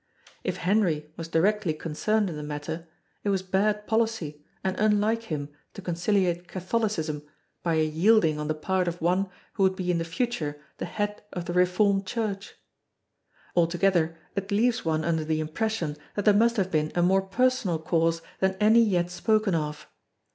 If Henry was directly concerned in the matter, it was bad policy and unlike him to conciliate Catholicism by a yielding on the part of one who would be in the future the Head of the Reformed Church. Altogether it leaves one under the impression that there must have been a more personal cause than any yet spoken of.